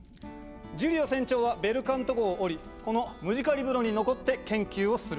ジュリオ船長はベルカント号をおりこのムジカリブロに残って研究をする。